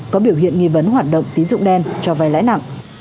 có biểu hiện nghi vấn hoạt động tín dụng đen cho vai lãi nặng